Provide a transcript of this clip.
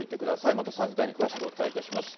また３時台に詳しくお伝えいたします。